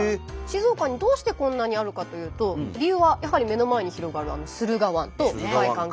静岡にどうしてこんなにあるかというと理由はやはり目の前に広がるあの駿河湾と深い関係があるんですよね。